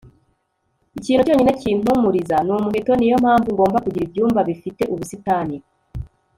ikintu cyonyine kimpumuriza ni umuheto niyo mpamvu ngomba kugira ibyumba bifite ubusitani